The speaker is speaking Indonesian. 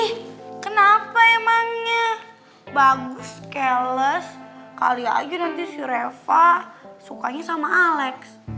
eh kenapa emangnya bagus cales kali aja nanti si reva sukanya sama alex